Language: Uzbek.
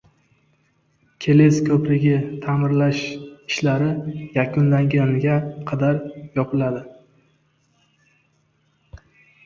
Keles ko‘prigi ta’mirlash ishlari yakunlanguniga qadar yopiladi